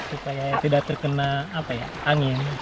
supaya tidak terkena angin